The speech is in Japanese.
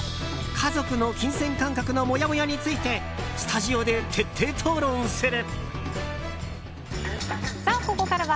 家族の金銭感覚のモヤモヤについてスタジオで徹底討論する。